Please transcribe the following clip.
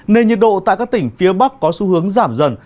nền nhiệt độ tại các tỉnh phía bắc có xu hướng giảm dần